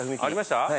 ありました？